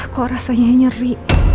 kok rasanya nyeri